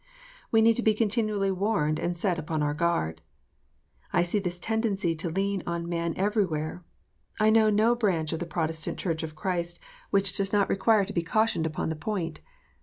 We need to be continually warned and set upon our guard. I see this tendency to lean on man everywhere. I know no branch of the Protestant Church of Christ which does not 368 KNOTS UNTIED. require to be cautioned upon the point.